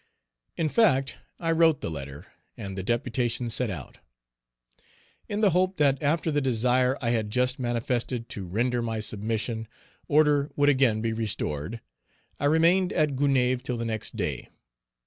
In fact, I wrote the letter, and the deputation set out. In the hope that after the desire I had just manifested to render my submission, order would again be restored, I remained at Page 303 Gonaïves till the next day.